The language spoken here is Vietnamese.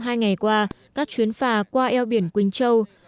trong hai ngày qua các chuyến phà qua eo biển quỳnh châu